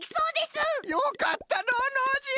よかったのうノージー！